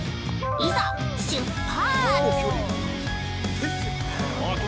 ◆いざ、出発！